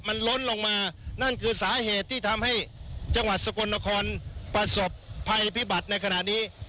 มันล้นลงมานั่นคือสาเหตุที่ทำให้จังหวัดสกลนครประสบภัยพิบัติในขณะนี้